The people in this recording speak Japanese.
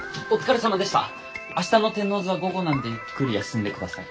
明日の天王洲は午後なんでゆっくり休んで下さい。